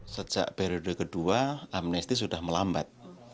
sejak periode kedua amnesti sudah melambat